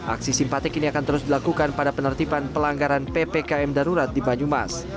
aksi simpatik ini akan terus dilakukan pada penertiban pelanggaran ppkm darurat di banyumas